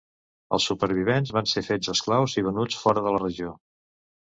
Els supervivents van ser fets esclaus i venuts fora de la regió.